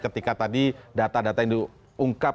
ketika tadi data data yang diungkap